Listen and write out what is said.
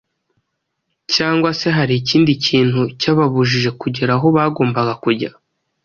cyangwa se hari ikindi kintu cyababujije kugera aho bagombaga kujya ?